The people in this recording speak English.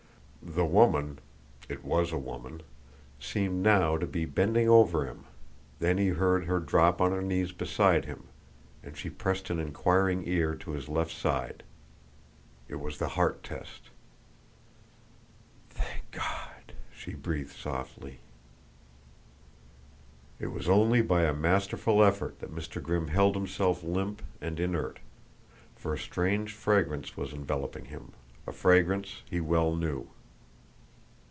The woman it was a woman seemed now to be bending over him, then he heard her drop on her knees beside him, and she pressed an inquiring ear to his left side. It was the heart test. "Thank God!" she breathed softly. It was only by a masterful effort that Mr. Grimm held himself limp and inert, for a strange fragrance was enveloping him a fragrance he well knew.